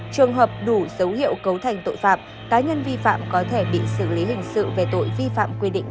trường hợp đủ dấu hiệu cấu thành tội phạm cá nhân vi phạm có thể bị xử lý hình sự về tội vi phạm quy định